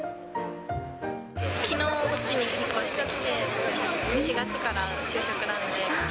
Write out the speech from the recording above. きのう、こっちに引っ越してきて、４月から就職なので。